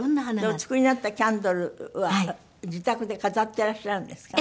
お作りになったキャンドルは自宅で飾ってらっしゃるんですか？